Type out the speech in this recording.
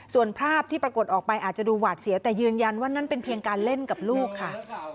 ส่วนภาพที่ปรากฏออกไปอาจจะดูหวาดเสียแต่ยืนยันว่านั่นเป็นเพียงการเล่นกับลูกค่ะ